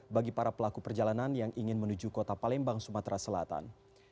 bagi para pelaku perjalanan yang ingin menuju kota palembang sumatera selatan